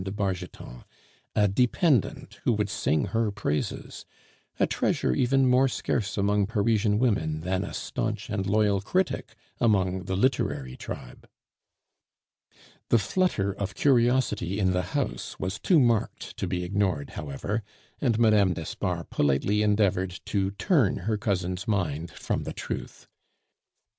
de Bargeton, a dependent who would sing her praises, a treasure even more scarce among Parisian women than a staunch and loyal critic among the literary tribe. The flutter of curiosity in the house was too marked to be ignored, however, and Mme. d'Espard politely endeavored to turn her cousin's mind from the truth.